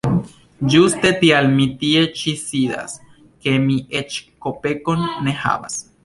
Ĝuste tial mi tie ĉi sidas, ke mi eĉ kopekon ne havas.